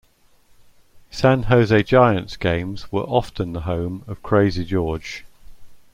San Jose Giants games were often the home of Krazy George.